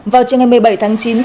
vào trên ngày một mươi bảy tháng chín